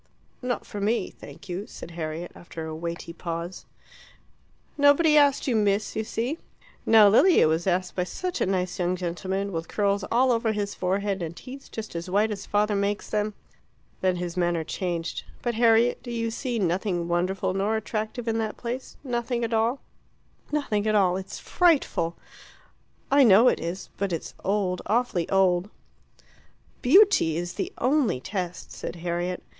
"Not for me, thank you," said Harriet, after a weighty pause. "Nobody asked you, Miss, you see. Now Lilia was asked by such a nice young gentleman, with curls all over his forehead, and teeth just as white as father makes them." Then his manner changed. "But, Harriet, do you see nothing wonderful or attractive in that place nothing at all?" "Nothing at all. It's frightful." "I know it is. But it's old awfully old." "Beauty is the only test," said Harriet.